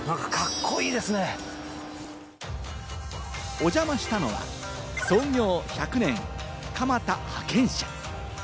お邪魔したのは、創業１００年、かまた刃研社。